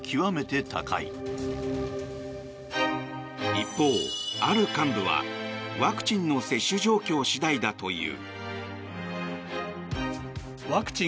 一方、ある幹部はワクチンの接種状況次第だという。